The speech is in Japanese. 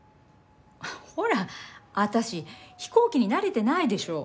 ほら私飛行機に慣れてないでしょ。